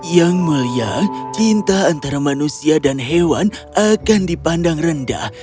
yang mulia cinta antara manusia dan hewan akan dipandang rendah